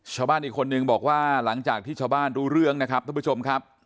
ชาวบ้านอีกคนนึงบอกว่าหลังจากที่ชาวบ้านรู้เรื่องนะครับท่านผู้ชมครับ